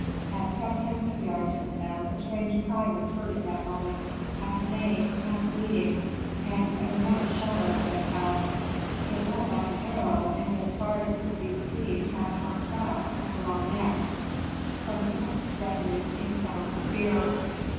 At some tens of yards from them a strange cry was heard at that moment, half neighing, half bleating, and an immense shadow sped past. It went like an arrow, and as far as could be seen had a humped back and a long neck. From the prince's retinue came sounds of fear.